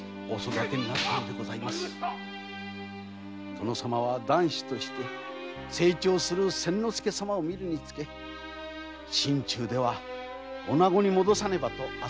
殿様は男子として成長する千之助様を見るにつけ心の中では女子に戻さねばとあせっておいででした。